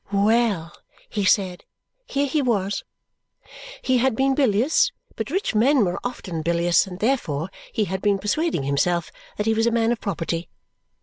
Well, he said, here he was! He had been bilious, but rich men were often bilious, and therefore he had been persuading himself that he was a man of property.